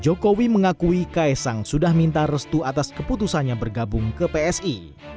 jokowi mengakui kaisang sudah minta restu atas keputusannya bergabung ke psi